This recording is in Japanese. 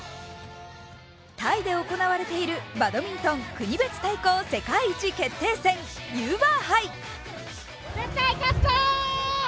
タイで行われているバドミントン世界国別対抗世界１決定戦、ユーバー杯。